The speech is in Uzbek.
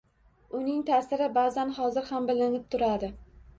Uning ta’siri, ba’zan hozir ham bilinib turadi